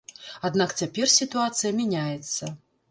Аднак цяпер сітуацыя мяняецца.